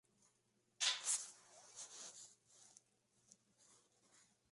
Sin la presurización se puede sufrir mal de montaña o incluso una hipoxia militar.